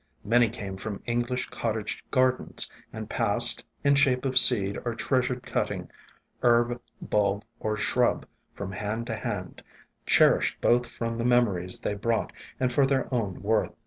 Many came from English cottage gardens and passed, in shape of seed or treasured cutting, herb, bulb, or shrub, from hand to hand, cherished both from the memories they brought and for their own worth.